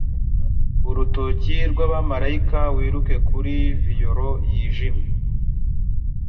Urutoki rw'abamarayika wiruke kuri violon yijimye